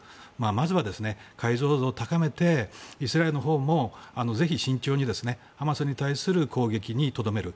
まずは解像度を高めてイスラエルのほうもぜひ慎重にハマスに対する攻撃にとどめる。